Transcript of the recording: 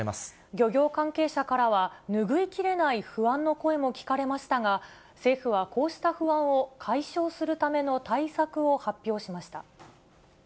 漁業関係者からは、拭いきれない不安の声も聞かれましたが、政府はこうした不安を解消するための対策を発表しました。